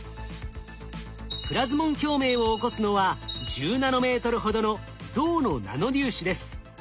プラズモン共鳴を起こすのは１０ナノメートルほどの銅のナノ粒子です。